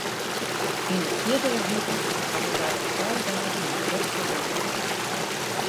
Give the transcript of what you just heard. Yn 'e fierdere wike hawwe wy alle dagen in drok programma.